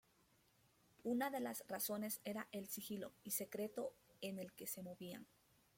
Una de las razones era el sigilo y secreto en el que se movían.